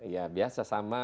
ya biasa sama